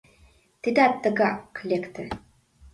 Тидат тыгак лекте!